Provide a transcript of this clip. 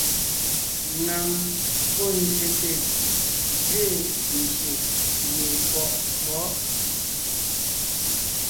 Ŋaŋ pɔ́ zsyète gẅiin gyè gie kwɔʼ kwɔ̌'.